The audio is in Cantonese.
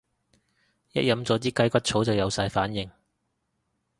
一飲咗支雞骨草就有晒反應